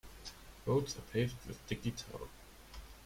Roads are paved with sticky tar.